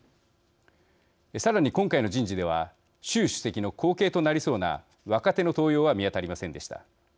さらに、今回の人事では習主席の後継となりそうな若手の登用は見当たりませんでした。